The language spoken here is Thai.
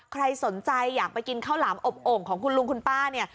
ใครสนใจอยากไปกินข้าวหลามอบโอ่งของคุณลุงคุณป้าเนี่ย